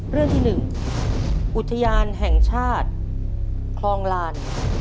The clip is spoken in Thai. เรื่องที่๑อุทยานแห่งชาติคลองลาน